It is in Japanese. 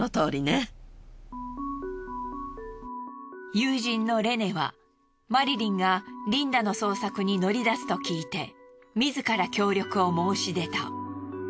友人のレネはマリリンがリンダの捜索に乗り出すと聞いて自ら協力を申し出た。